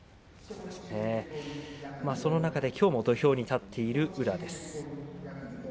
その中でもきょう土俵に立っている宇良です。